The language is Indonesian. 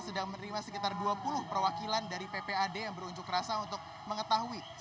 sudah menerima sekitar dua puluh perwakilan dari ppad yang berunjuk rasa untuk mengetahui